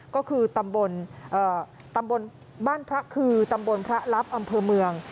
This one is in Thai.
ก็คือตำบลพระลับอำเภอเมือง